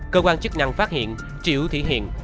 cơ quan chức năng phát hiện triệu thị hiện